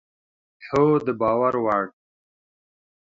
هو، د باور وړ